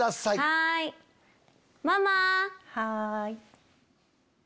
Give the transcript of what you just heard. はい。